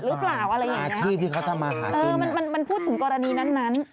หรือเปล่าอะไรอย่างเงี้ยอ๋อมันมันพูดถึงกรณีนั้นนั้น